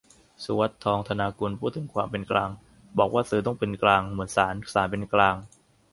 สุวัฒน์ ทองธนากุล พูดถึง ความเป็นกลาง บอกว่าสื่อต้องเป็นกลางเหมือนศาล ศาลเป็นกลาง